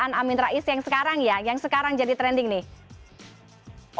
pak amin rais yang sekarang ya yang sekarang jadi trending nih